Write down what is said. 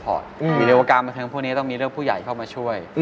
เพราะว่าทั้งพวกนี้ต้องมีเรื่องผู้ใหญ่เข้ามาช่วย